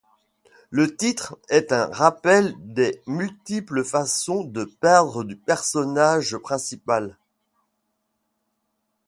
Le titre est un rappel des multiples façons de perdre du personnage principal.